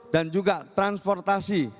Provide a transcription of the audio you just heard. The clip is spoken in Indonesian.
dan juga transportasi